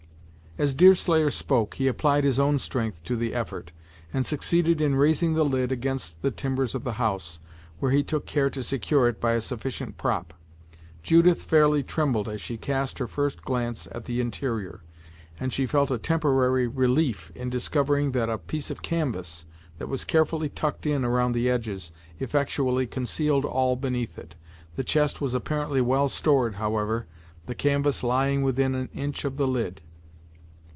As Deerslayer spoke, he applied his own strength to the effort, and succeeded in raising the lid against the timbers of the house, where he took care to secure it by a sufficient prop. Judith fairly trembled as she cast her first glance at the interior, and she felt a temporary relief in discovering that a piece of canvas, that was carefully tucked in around the edges, effectually concealed all beneath it. The chest was apparently well stored, however, the canvas lying within an inch of the lid.